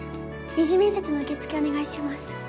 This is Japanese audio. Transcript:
二次面接の受け付けお願いします